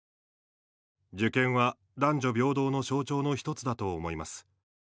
受験は男女平等の象徴の１つだと思います。